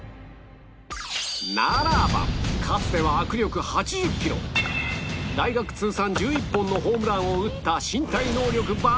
かつては握力８０キロ大学通算１１本のホームランを打った身体能力抜群の生物はどうか？